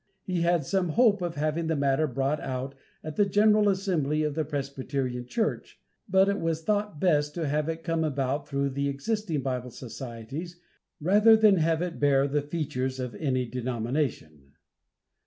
He had some hope of having the matter brought out at the general assembly of the Presbyterian church; but it was thought best to have it come about through the existing Bible societies, rather than have it bear the features of any denomination.